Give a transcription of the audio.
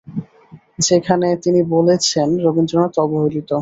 যেখানে তিনি বলেছেন, রবীন্দ্রনাথ অবহেলিত।